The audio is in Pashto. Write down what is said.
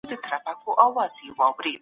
هر ګام باید په دقت سره پورته سي.